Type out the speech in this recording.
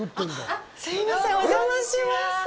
あっ、すいません、お邪魔します。